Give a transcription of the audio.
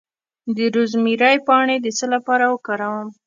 د روزمیری پاڼې د څه لپاره وکاروم؟